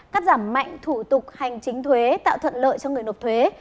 cắt giảm mạnh thủ tục hành chính thuế tạo thuận lợi cho người nộp thuế